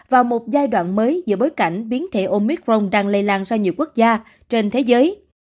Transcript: vào một giai đoạn mới giữa bối cảnh biến thể omicron đang lây lan ra nhiều quốc gia trên thế giới